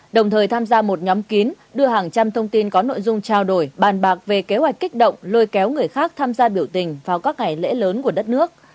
đồng thời tham gia một nhóm kín đưa hàng trăm thông tin có nội dung trao đổi bàn bạc về kế hoạch kích động lôi kéo người khác tham gia biểu tình vào các ngày lễ lớn của đất nước